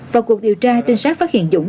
và cuộc điều tra tên sát phát hiện dũng